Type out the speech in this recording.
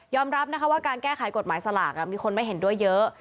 รับนะคะว่าการแก้ไขกฎหมายสลากมีคนไม่เห็นด้วยเยอะ